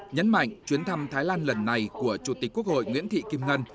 nhấn mạnh chuyến thăm thái lan lần này của chủ tịch quốc hội nguyễn thị kim ngân